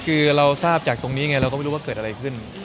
คือเราทราบจากตรงนี้ไงเราก็ไม่รู้ว่าเกิดอะไรขึ้น